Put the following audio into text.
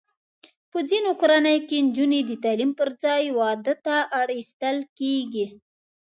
په ځینو کورنیو کې نجونې د تعلیم پر ځای واده ته اړ ایستل کېږي.